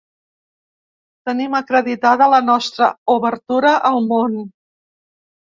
Tenim acreditada la nostra obertura al món.